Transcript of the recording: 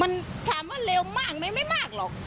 มันถามว่าเร็วมากได้ไม่มากหรอก